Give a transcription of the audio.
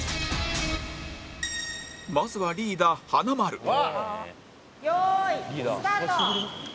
まずはリーダー華丸用意スタート！